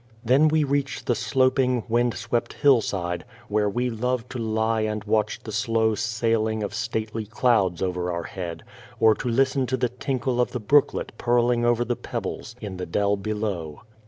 The Child Face Then we reach the sloping, wind swept hillside, where we love to lie and watch the slow sail ing of stately clouds over our head, or to listen to the tinkle of the brooklet purling over the pebbles in the dell below.